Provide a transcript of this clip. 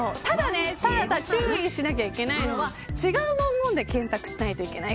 ただ注意しないといけないのは違う文言で検索しないといけない。